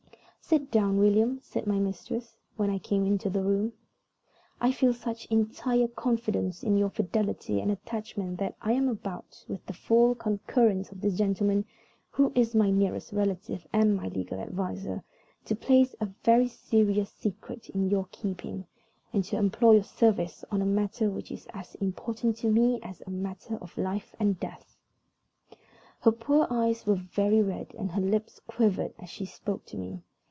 "Sit down, William," said my mistress, when I came into the room. "I feel such entire confidence in your fidelity and attachment that I am about, with the full concurrence of this gentleman, who is my nearest relative and my legal adviser, to place a very serious secret in your keeping, and to employ your services on a matter which is as important to me as a matter of life and death." Her poor eyes were very red, and her lips quivered as she spoke to me.